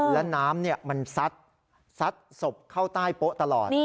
และน้ำมันซัดศพเข้าใต้โป๊ะตลอด